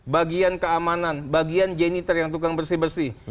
bagian keamanan bagian jenitar yang tukang bersih bersih